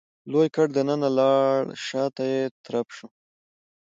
لوی ګټ دننه لاړ شاته يې ترپ شو.